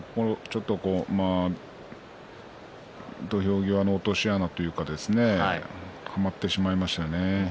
土俵際の落とし穴というかはまってしまいましたね。